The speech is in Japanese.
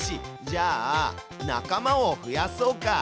じゃあ仲間を増やそうか。